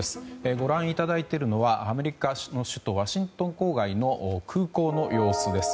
ご覧いただいているのはアメリカの首都ワシントン郊外の空港の様子です。